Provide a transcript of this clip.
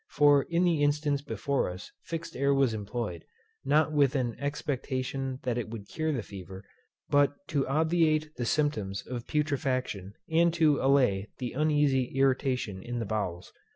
For in the instance before us; fixed air was employed, not with an expectation that it would cure the fever, but to obviate the symptoms of putrefaction, and to allay the uneasy irritation in the bowels.